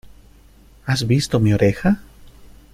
¿ Has visto mi oreja?